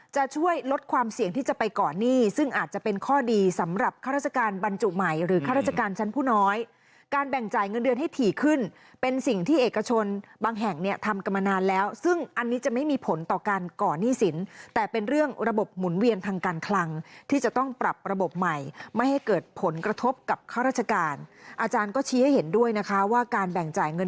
จะช่วยลดความเสี่ยงที่จะไปก่อนหนี้ซึ่งอาจจะเป็นข้อดีสำหรับข้าราชการบรรจุใหม่หรือข้าราชการชั้นผู้น้อยการแบ่งจ่ายเงินเดือนให้ถี่ขึ้นเป็นสิ่งที่เอกชนบางแห่งเนี่ยทำกันมานานแล้วซึ่งอันนี้จะไม่มีผลต่อการก่อนหนี้สินแต่เป็นเรื่องระบบหมุนเวียนทางการคลังที่จะต้องปรับระบบใหม่ไม่ให้เกิดผลกระทบกับข้าราชการอาจารย์ก็ชี้ให้เห็นด้วยนะคะว่าการแบ่งจ่ายเงิน